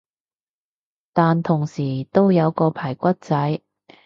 但同時都有個排骨仔